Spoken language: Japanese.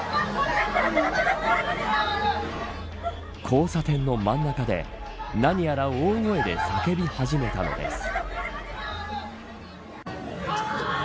交差点の真ん中で何やら大声で叫び始めたのです。